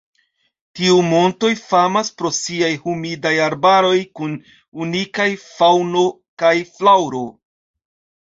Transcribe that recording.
Tiu montoj famas pro siaj humidaj arbaroj kun unikaj faŭno kaj flaŭro.